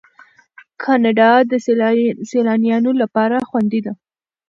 کاناډا د سیلانیانو لپاره خوندي ده.